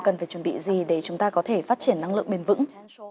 cần phải chuẩn bị gì để chúng ta có thể phát triển năng lượng bền vững